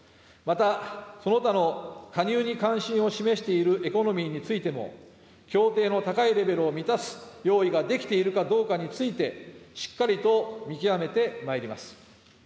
またその他の加入に関心を示しているエコノミーについても、協定の高いレベルを満たす用意ができているかどうかについて、しっかりと見極めてまいります。